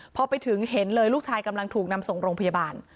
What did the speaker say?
พอไปถึงเห็นเลยลูกชายกำลังถูกนำส่งโรงพยาบาล